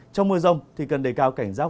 trong mưa rồng thì cần đề cao cảnh rác